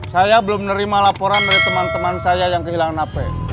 saya belum menerima laporan dari teman teman saya yang kehilangan hp